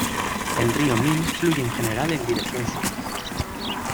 El río Min fluye en general en dirección sur.